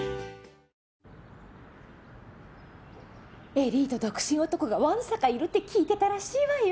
エリート独身男がわんさかいるって聞いてたらしいわよ。